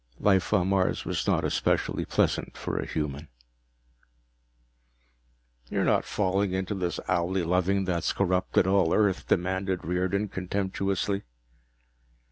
Life on Mars was not especially pleasant for a human. "You're not falling into this owlie loving that's corrupted all Earth?" demanded Riordan contemptuously.